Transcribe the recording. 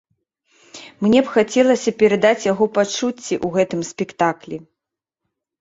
Мне б хацелася перадаць яго пачуцці ў гэтым спектаклі.